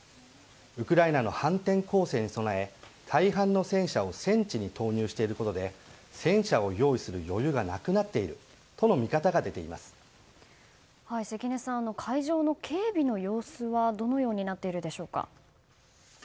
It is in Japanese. ウクライナの反転攻勢に備え大半の戦車を戦地に投入していることで戦車を用意する余裕がなくなっているとの関根さん、会場の警備の様子はどのようになっているでしょうか。